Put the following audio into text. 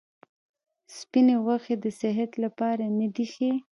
سپیني غوښي د صحت لپاره نه دي ښه.